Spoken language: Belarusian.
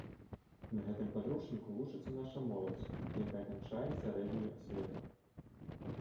На гэтым падручніку вучыцца наша моладзь, якая канчае сярэднюю асвету.